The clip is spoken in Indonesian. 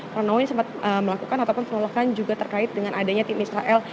karena ini sempat melakukan ataupun penolakan juga terkait dengan adanya tim israel